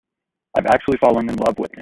I've actually fallen in love with him.